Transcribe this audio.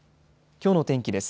きょうの天気です。